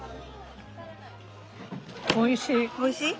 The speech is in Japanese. おいしい。